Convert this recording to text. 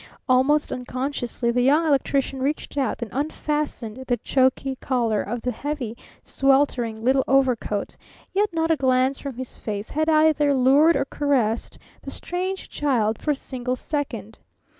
Almost unconsciously the Young Electrician reached out and unfastened the choky collar of the heavy, sweltering little overcoat; yet not a glance from his face had either lured or caressed the strange child for a single second.